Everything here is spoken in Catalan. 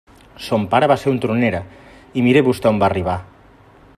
Son pare va ser un tronera, i mire vostè on va arribar.